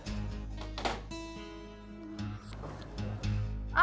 apa bella sudah berubah ya